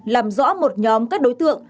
làm rõ một nhóm các đối tượng